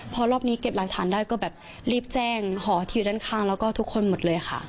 เพราะเมื่อเก็บหลักฐานก็รีบแจ้งหอที่อยู่ด้านข้างทุกคนหมด